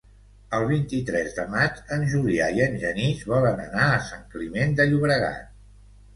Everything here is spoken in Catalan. El vint-i-tres de maig en Julià i en Genís volen anar a Sant Climent de Llobregat.